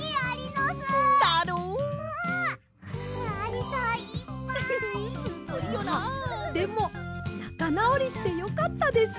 まあでもなかなおりしてよかったです。